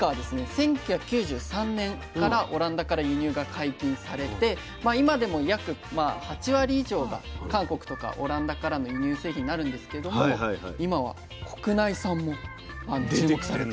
１９９３年からオランダから輸入が解禁されて今でも約８割以上が韓国とかオランダからの輸入製品になるんですけども今は国内産も注目されているんです。